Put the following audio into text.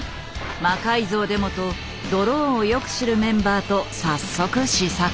魔改造でもとドローンをよく知るメンバーと早速試作。